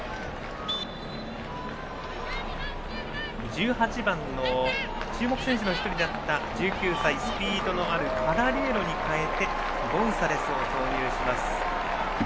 １８番の注目選手の１人だった１９歳、スピードのあるパラリュエロに代えてゴンサレスを投入します。